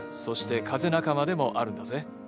そして風仲間でもあるんだぜ。